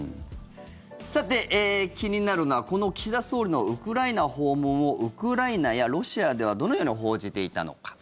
さて、気になるのはこの岸田総理のウクライナ訪問をウクライナやロシアではどのように報じていたのか。